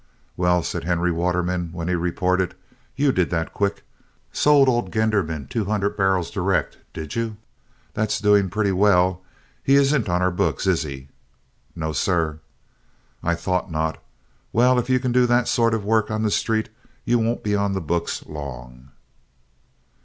"Well," said Henry Waterman, when he reported, "you did that quick. Sold old Genderman two hundred barrels direct, did you? That's doing pretty well. He isn't on our books, is he?" "No, sir." "I thought not. Well, if you can do that sort of work on the street you won't be on the books long."